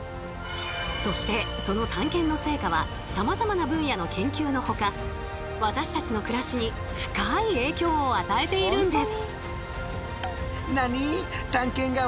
そしてその探検の成果はさまざまな分野の研究のほか私たちの暮らしに深い影響を与えているんです。